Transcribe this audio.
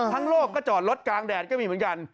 โลกก็จอดรถกลางแดดก็มีเหมือนกัน